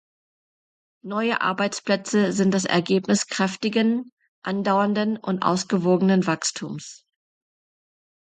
Neue Arbeitsplätze sind das Ergebnis kräftigen, andauernden und ausgewogenen Wachstums.